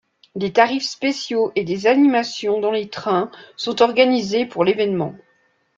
Des tarifs spéciaux et des animations dans les trains sont organisés pour l'événement.